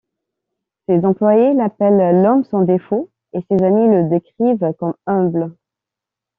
Ses employés l'appellent l'homme sans défauts et ses amis le décrivent comme humble.